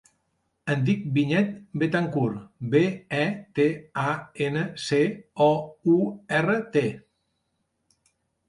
Em dic Vinyet Betancourt: be, e, te, a, ena, ce, o, u, erra, te.